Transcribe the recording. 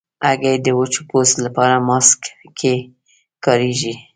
هګۍ د وچ پوست لپاره ماسک کې کارېږي.